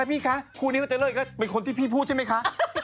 พี่คะคู่นี้เขาเจอเรื่องอีกแล้วเป็นคนที่พี่พูดใช่ไหมคะ